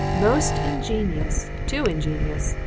"Most ingenious! Too ingenious!"